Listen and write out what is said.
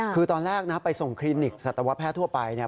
คือตอนแรกนะไปส่งคลินิกสัตวแพทย์ทั่วไปเนี่ย